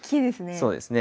そうですね。